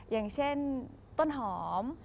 อย่างเช่นต้นหอม